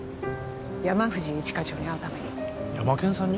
山藤一課長に会うためにヤマケンさんに？